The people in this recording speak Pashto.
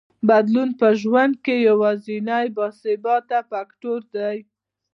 بدلون په ژوند کې یوازینی باثباته فکټور دی.